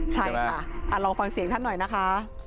ใช่ค่ะลองฟังเสียงท่านหน่อยนะคะ